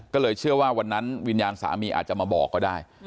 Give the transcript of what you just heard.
ก็เลยเชื่อว่าวันนั้นวิญญาณสามีอาจจะมาบอกก็ได้